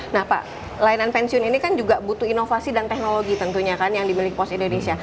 nah pak layanan pensiun ini kan juga butuh inovasi dan teknologi tentunya kan yang dimiliki pos indonesia